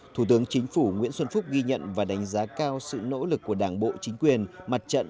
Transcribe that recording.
thủ tướng chính phủ nguyễn xuân phúc ghi nhận và đánh giá cao sự nỗ lực của đảng bộ chính quyền mặt trận